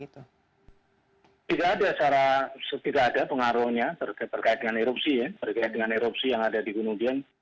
tidak ada tidak ada pengaruhnya berkait dengan erupsi yang ada di gunung dieng